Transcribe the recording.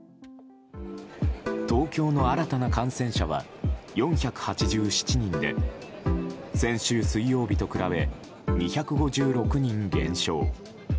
東京の新たな感染者は４８７人で先週水曜日と比べ２５６人減少。